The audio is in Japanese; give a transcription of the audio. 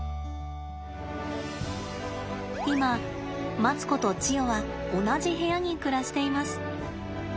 今マツコとチヨは同じ部屋に暮らしています。